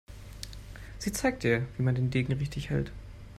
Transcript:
Sie zeigt ihr, wie man den Degen richtig hält.